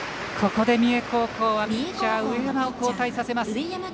ここで三重高校はピッチャー、上山を交代させます。